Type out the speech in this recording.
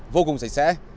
vô cùng rảnh rẽ